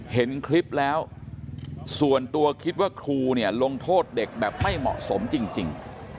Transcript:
เห็นคลิปแล้วส่วนตัวคิดว่าครูเนี่ยลงโทษเด็กแบบไม่เหมาะสมจริง